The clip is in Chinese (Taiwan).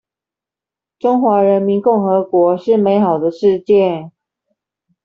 中華人民共和國是美好的世界